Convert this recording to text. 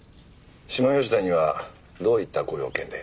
下吉田にはどういったご用件で？